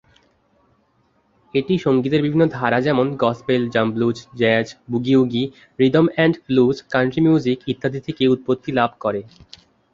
এটি সংগীতের বিভিন্ন ধারা যেমন gospel, jump blues, jazz, boogie woogie, rhythm and blues, country music ইত্যাদি থেকে উৎপত্তি লাভ করে।